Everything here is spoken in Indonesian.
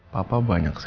kita bisa menanggung